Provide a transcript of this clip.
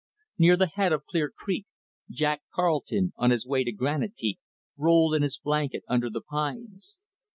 Near the head of Clear Creek, Jack Carleton, on his way to Granite Peak, rolled in his blanket under the pines.